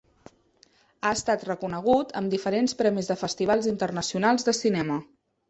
Ha estat reconegut amb diferents premis de festivals internacionals de cinema.